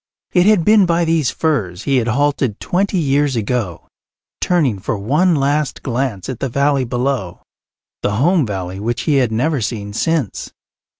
It had been by these firs he had halted twenty years ago, turning for one last glance at the valley below, the home valley which he had never seen since.